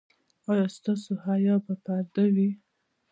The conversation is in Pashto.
ایا ستاسو حیا به پرده وي؟